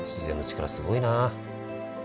自然の力すごいな。